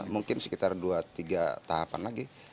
mungkin sekitar dua tiga tahapan lagi